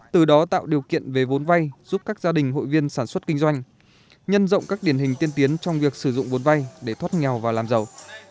từ đó tạo điều kiện về vốn vay giúp các gia đình hội viên sản xuất kinh doanh nhân rộng các điển hình tiên tiến trong việc sử dụng vốn vay để thoát nghèo và làm giàu